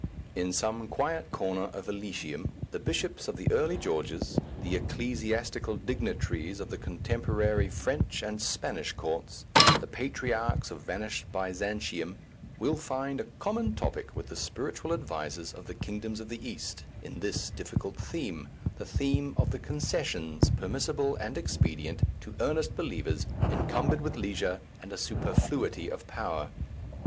In some quiet corner of Elysium the bishops of the early Georges, the ecclesiastical dignitaries of the contemporary French and Spanish courts, the patriarchs of vanished Byzantium, will find a common topic with the spiritual advisers of the kingdoms of the East in this difficult theme, the theme of the concessions permissible and expedient to earnest believers encumbered with leisure and a superfluity of power....